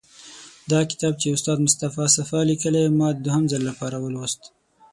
دا کتاب چې استاد مصطفی صفا لیکلی، ما د دوهم ځل لپاره ولوست.